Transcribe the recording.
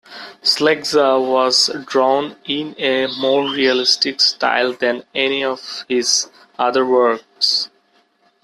Sleggja was drawn in a more realistic style than any of his other works.